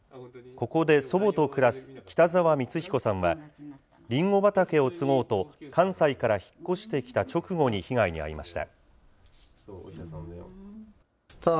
ここで祖母と暮らす北澤光彦さんは、りんご畑を継ごうと、関西から引っ越してきた直後に被害に遭いました。